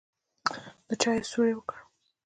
د چايو سور يې وکړ.